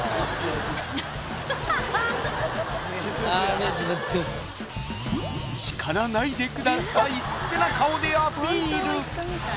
目つぶり「叱らないでください」ってな顔でアピール